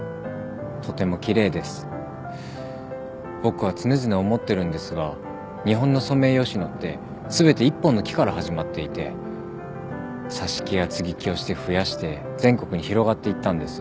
僕は常々思ってるんですが日本のソメイヨシノって全て１本の木から始まっていて挿し木や接ぎ木をして増やして全国に広がっていったんです。